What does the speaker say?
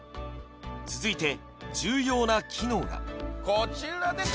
続いて重要な機能がこちらです